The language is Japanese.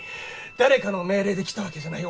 誰かの命令で来たわけじゃない。